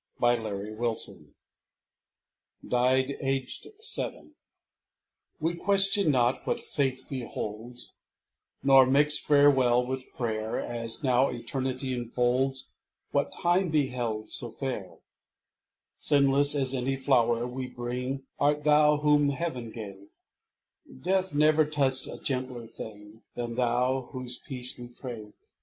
4 8 HELEN PETERSON DIED AGED SEVEN We question not what Faith beholds, Nor mix farewell with prayer, As now Eternity enfolds What Time beheld so fair: Sinless as any flower we bring Art thou whom Heaven gave; Death never touched a gentler thing Than thou whose peace we crave.